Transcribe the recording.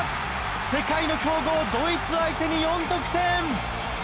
世界の強豪、ドイツ相手に４得点。